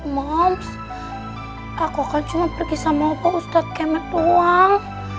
mom aku kan cuma pergi sama opo ustadz kemet doang